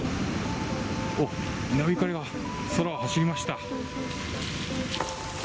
おっ、稲光が空を走りました。